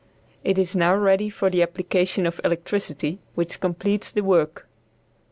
It is now ready for the application of electricity, which completes the work.